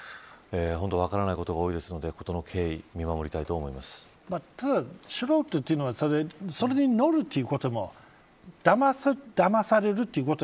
本当分からないことが多いですので、事の経緯をただ素人というのはそれに乗るということもだまされるということ。